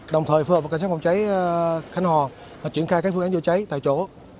đồng thời phở với cảnh sát phòng cháy khăn hò và chuyển khai các phương án chữa cháy tại chỗ